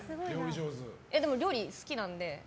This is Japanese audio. でも、料理好きなので。